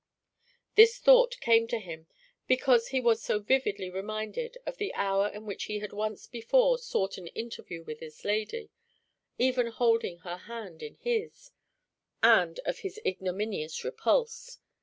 This thought came to him because he was so vividly reminded of the hour in which he had once before sought an interview with this lady even holding her hand in his and of his ignominious repulse.